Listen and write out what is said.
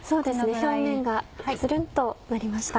表面がツルンとなりました。